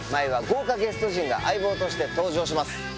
豪華ゲスト陣が相棒として登場します。